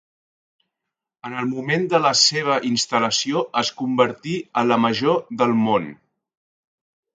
En el moment de la seva instal·lació es convertí en la major del món.